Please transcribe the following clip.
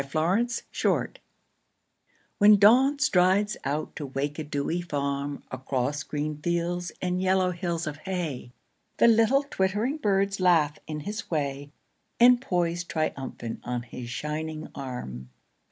Alarm Clocks When Dawn strides out to wake a dewy farm Across green fields and yellow hills of hay The little twittering birds laugh in his way And poise triumphant on his shining arm.